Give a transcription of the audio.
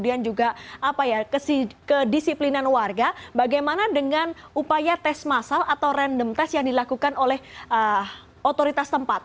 kemudian juga kedisiplinan warga bagaimana dengan upaya tes masal atau random test yang dilakukan oleh otoritas tempat